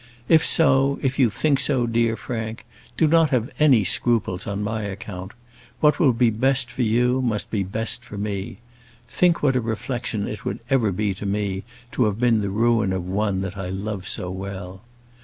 If so, if you think so, dear Frank, do not have any scruples on my account. What will be best for you, must be best for me. Think what a reflection it would ever be to me, to have been the ruin of one that I love so well.